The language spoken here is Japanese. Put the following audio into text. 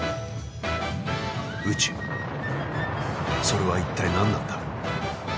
それは一体何なんだ？